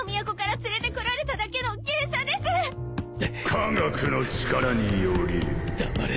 科学の力により黙れ。